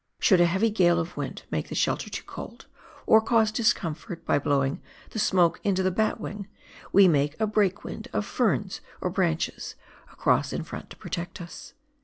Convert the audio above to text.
Should a heavy gale of wind make the shelter too cold, or cause discomfort by blowing the smoke into the batwing, we make a "breakwind" of ferns or branches across in front to protect us.